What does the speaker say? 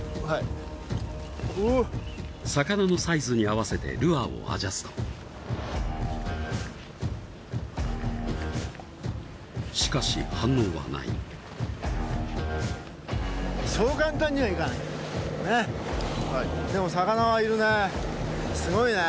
はい魚のサイズに合わせてルアーをアジャストしかし反応はないそう簡単にはいかない